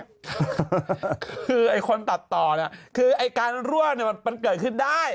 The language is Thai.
คือไอ้คนตัดต่อเนี่ยคือไอ้การรั่วมันเกิดขึ้นได้